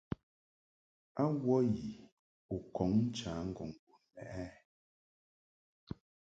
A wə yi u kɔŋ ncha ŋgɔŋ bun mɛʼ a?